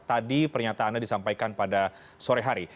tadi pernyataannya disampaikan pada sore hari